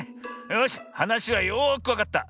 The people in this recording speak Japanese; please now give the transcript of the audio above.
よしはなしはよくわかった。